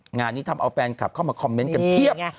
งานนี้ทำเอาแฟนคลับเข้ามาคอมเมนต์กันเพียบ